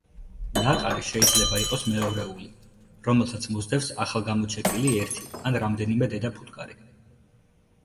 ნაყარი შეიძლება იყოს მეორეული, რომელსაც მოსდევს ახალგამოჩეკილი ერთი ან რამდენიმე დედა ფუტკარი.